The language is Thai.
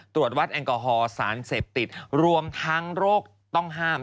ตรวจวัดแอลกอฮอล์สารเสพติดรวมทั้งโรคต้องห้าม